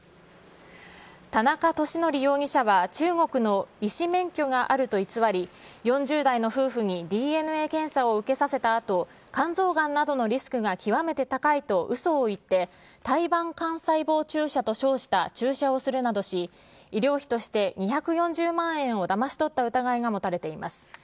田中利典容疑者は中国の医師免許があると偽り、４０代の夫婦にＤＮＡ検査を受けさせたあと、肝臓がんなどのリスクが極めて高いとうそを言って、胎盤幹細胞注射と称した注射をするなどし、医療費として２４０万円をだまし取った疑いが持たれています。